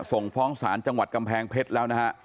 ส่งฟ้องศาลจังหวัดกำแพงเพชรแล้วนะฮะ